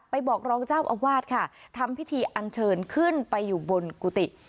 บอกรองเจ้าอาวาสค่ะทำพิธีอันเชิญขึ้นไปอยู่บนกุฏิ